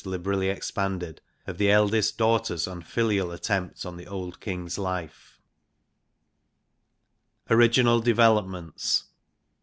liberally expanded, of the eldest daughters' unfilial attempt J on the old King's life. Original developments.